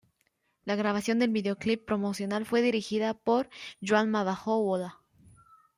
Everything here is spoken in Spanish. La grabación del videoclip promocional fue dirigida por Juanma Bajo Ulloa.